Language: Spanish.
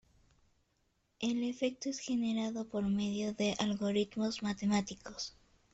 El efecto es generado por medio de algoritmos matemáticos.